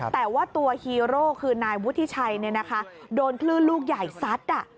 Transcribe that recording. แต่ว่าตัวฮีโร่คือนายวุฒิชัยโดนคลื่นลูกใหญ่ซัด